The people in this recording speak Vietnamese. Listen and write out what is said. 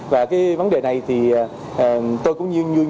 và cái vấn đề này thì tôi cũng như nhiều người dân